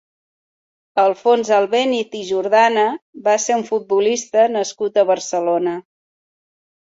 Alfons Albéniz i Jordana va ser un futbolista nascut a Barcelona.